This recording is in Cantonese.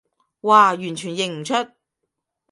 嘩，完全認唔出